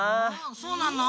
そうなの？